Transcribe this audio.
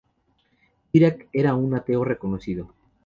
Dirac era un ateo reconocido.